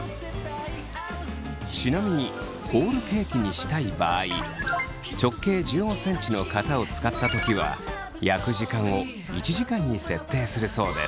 ちなみにホールケーキにしたい場合直径１５ｃｍの型を使った時は焼く時間を１時間に設定するそうです。